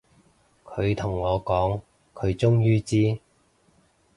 佢同我講，佢終於知